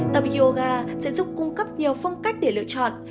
tập yoga sẽ giúp cung cấp nhiều phong cách để lựa chọn